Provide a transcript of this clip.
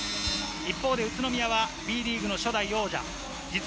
一方の宇都宮、Ｂリーグ初代王者。